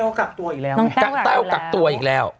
เต้วกักตัวอีกแล้วน้องเต้ากักตัวอีกแล้ว